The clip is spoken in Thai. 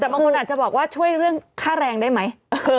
แต่บางคนอาจจะบอกว่าช่วยเรื่องค่าแรงได้ไหม